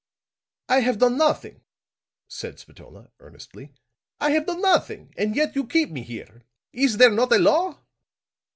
"I have done nothing," said Spatola, earnestly. "I have done nothing. And yet you keep me here. Is there not a law?"